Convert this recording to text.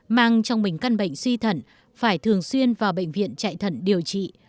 mang trong mình căn bệnh suy thận phải thường xuyên vào bệnh viện chạy thận điều trị